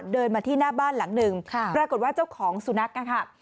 เดินมาที่หน้าบ้านหลังหนึ่งปรากฏว่าเจ้าของสุนัขค่ะ